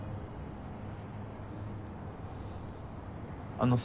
あのさ。